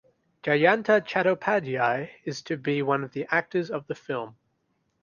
Jayanta Chattopadhyay is to be one of the actors of the film.